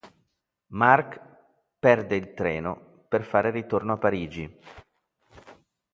Marc perde il treno per fare ritorno a Parigi.